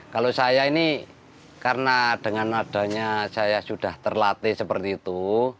kalau saya ini karena dengan adanya saya sudah terlatih seperti itu